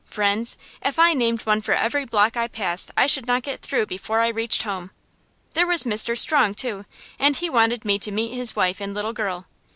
Friends? If I named one for every block I passed I should not get through before I reached home. There was Mr. Strong, too, and he wanted me to meet his wife and little girl.